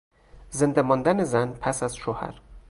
زنده ماندن زن پس از شوهر